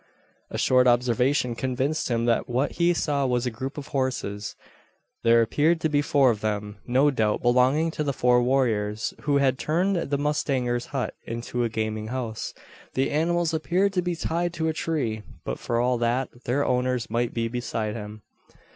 A short observation convinced him, that what he saw was a group of horses. There appeared to be four of them; no doubt belonging to the four warriors, who had turned the mustanger's hut into a gaming house. The animals appeared to be tied to a tree, but for all that, their owners might be beside them.